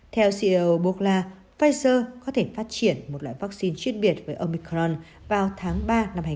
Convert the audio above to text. theo ceo borla pfizer có thể phát triển một loại vaccine chuyên biệt với omicron vào tháng ba năm hai nghìn hai mươi